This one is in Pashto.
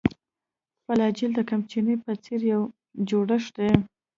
فلاجیل د قمچینې په څېر یو جوړښت دی.